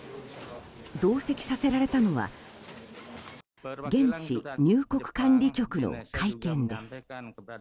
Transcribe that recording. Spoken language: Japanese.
同席させられたのは現地入国管理局の会見です。